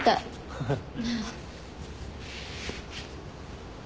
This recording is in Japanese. ハハッ。